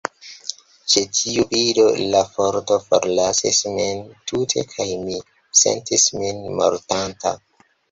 Ĉe tiu vido, la forto forlasis min tute, kaj mi sentis min mortanta.